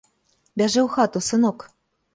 Бяжы ў хату, сынок.